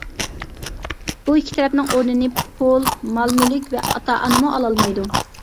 بۇ ئىككى تەرەپنىڭ ئورنىنى پۇل، مال-مۈلۈك ۋە ئاتا-ئانىمۇ ئالالمايدۇ.